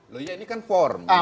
loh ya ini kan formu